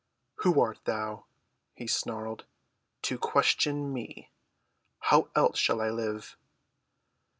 "Who art thou," he snarled, "to question me? How else shall I live?"